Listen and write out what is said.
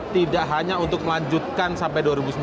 tidak hanya untuk melanjutkan sampai dua ribu sembilan belas